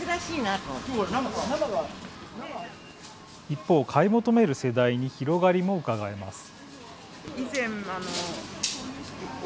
一方、買い求める世代に広がりもうかがえます。